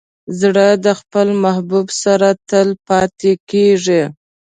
زړه د خپل محبوب سره تل پاتې کېږي.